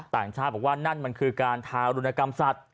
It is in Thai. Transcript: ต่างชาติบอกว่านั่นมันคือการทารุณกรรมสัตว